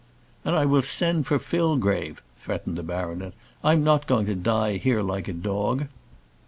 "And I will send for Fillgrave," threatened the baronet. "I'm not going to die here like a dog."